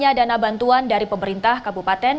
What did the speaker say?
yang menanggung angin puting beliung di desa terenggalek